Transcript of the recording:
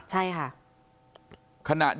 ใช่ค่ะ